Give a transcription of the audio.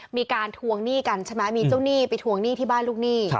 มีการทวงหนี้กันใช่ไหมมีเจ้าหนี้ไปทวงหนี้ที่บ้านลูกหนี้